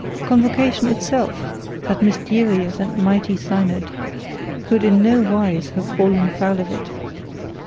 Convocation itself, that mysterious and mighty synod, could in no wise have fallen foul of it.